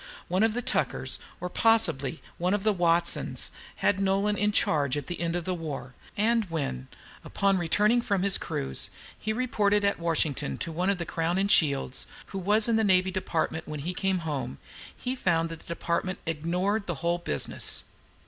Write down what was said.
One of the Tuckers, or possibly one of the Watsons, had Nolan in charge at the end of the war; and when, on returning from his cruise, he reported at Washington to one of the Crowninshields, who was in the Navy Department when he came home, he found that the Department ignored the whole business.